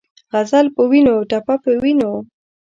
غزل پۀ وینو ، ټپه پۀ وینو